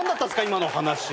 今の話。